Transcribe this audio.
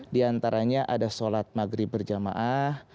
di antaranya ada sholat maghrib berjamaah